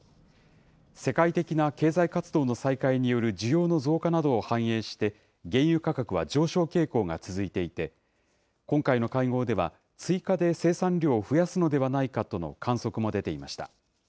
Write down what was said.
世界的な経済活動の再開による需要の増加などを反映して、原油価格は上昇傾向が続いていて、今回の会合では、追加で生産量を増やすのではないかとの観測も出ていました。